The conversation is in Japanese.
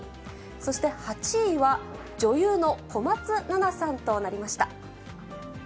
そして８位は、女優の小松菜奈さんとなりました。